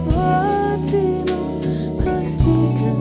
kau tak pernah menemukan